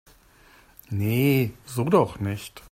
Nee, so doch nicht!